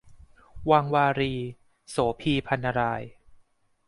วังวารี - โสภี พรรณราย